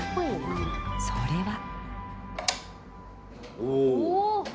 それは。